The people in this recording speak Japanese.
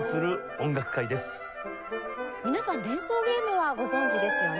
皆さん連想ゲームはご存じですよね。